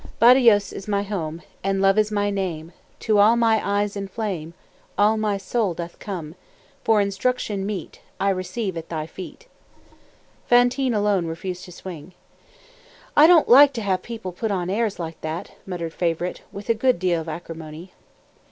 "Badajoz is my home, And Love is my name; To my eyes in flame, All my soul doth come; For instruction meet I receive at thy feet" Fantine alone refused to swing. "I don't like to have people put on airs like that," muttered Favourite, with a good deal of acrimony.